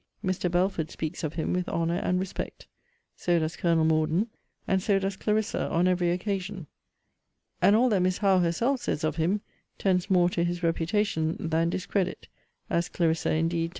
Mr. Belford speaks of him with honour and respect. So does Colonel Morden. And so does Clarissa on every occasion. And all that Miss Howe herself says of him, tends more to his reputation than discredit, as Clarissa indeed tells her.